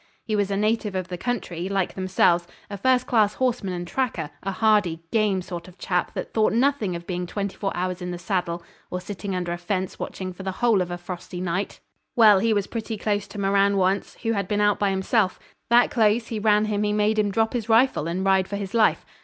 He was a native of the country, like themselves, a first class horseman and tracker, a hardy, game sort of a chap that thought nothing of being twenty four hours in the saddle, or sitting under a fence watching for the whole of a frosty night. Well, he was pretty close to Moran once, who had been out by himself; that close he ran him he made him drop his rifle and ride for his life.